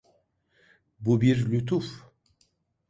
Bu bir lütuf.